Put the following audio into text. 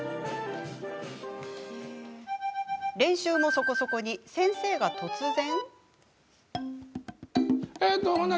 練習もそこそこに先生が突然。